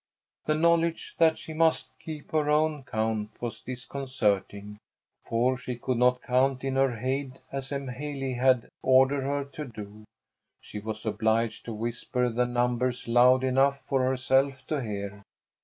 The knowledge that she must keep her own count was disconcerting, for she could not "count in her haid," as M'haley had ordered her to do. She was obliged to whisper the numbers loud enough for herself to hear.